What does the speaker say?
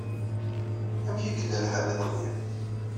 Amek ay yella lḥal iḍelli?